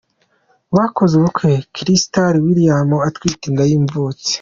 Bakoze ubukwe Crystal Williams atwite inda y’imvutsi.